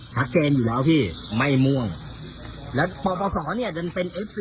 กันเป็นเอฟซีผมด้วยไม่ค่อยคุยกันก่อนเด้าไม่คุยแล้ว